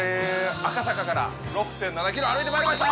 赤坂から６．７ｋｍ歩いてまいりました！